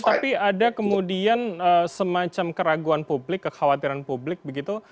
jadi ada kemudian semacam keraguan publik kekhawatiran publik begitu